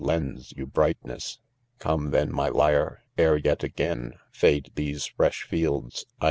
lends you brightness ?» Come, then, my lyre, ere yet again Fade these freskfields J.